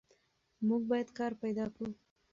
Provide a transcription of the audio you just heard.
موږ باید کار پیدا کړو.